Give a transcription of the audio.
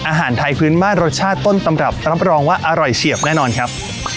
อาหารไทยพื้นบ้านรสชาติต้นตำรับรับรองว่าอร่อยเฉียบแน่นอนครับ